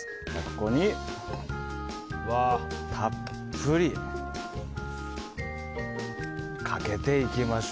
ここにたっぷりかけていきます。